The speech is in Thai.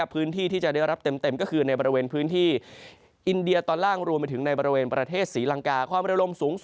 พื้นที่ที่จะได้รับเต็มก็คือในบริเวณพื้นที่อินเดียตอนล่าง